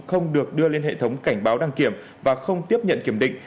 không được đưa lên hệ thống cảnh báo đăng kiểm và không tiếp nhận kiểm định